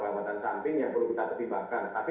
kalau saat pembelakuan one way itu memang pagi hari